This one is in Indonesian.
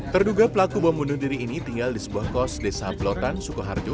terduga pelaku bom bunuh diri ini tinggal di sebuah kos desa blotan sukoharjo